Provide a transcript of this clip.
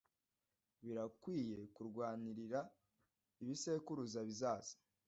Birakwiye kurwanira ibisekuruza bizaza.